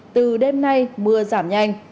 từ đêm nay mưa giảm nhanh